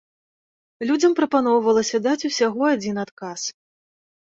Людзям прапаноўвалася даць ўсяго адзін адказ.